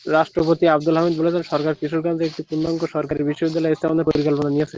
রাষ্ট্রপতি আবদুল হামিদ বলেছেন, সরকার কিশোরগঞ্জে একটি পূর্ণাঙ্গ সরকারি বিশ্ববিদ্যালয় স্থাপনের পরিকল্পনা নিয়েছে।